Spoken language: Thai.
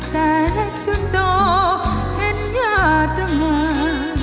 แต่เล็กจนโตเห็นหยาดต่างหวาน